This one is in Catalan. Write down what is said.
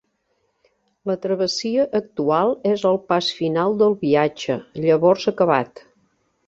La travessia actual és el pas final del viatge, llavors acabat.